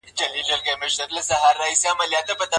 مخکي ئې بحث تير سوی دی.